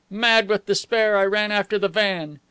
Mad with despair, I ran after the van.